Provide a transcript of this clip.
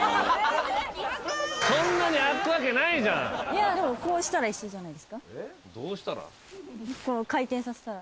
いやでもこうしたら一緒じゃないですか？